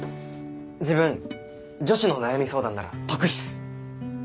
自分女子の悩み相談なら得意っす！